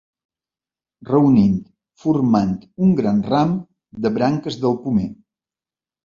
Reunint formant un gran ram de branques del pomer.